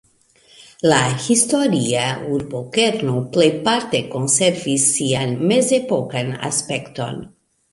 La historia urbokerno plejparte konservis sian mezepokan aspekton.